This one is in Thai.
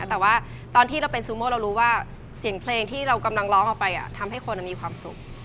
แต่ว่าตอนที่เราเป็นซูโม่เรารู้ว่าเสียงเพลงที่เรากำลังร้องออกไปทำให้คนมีความสุข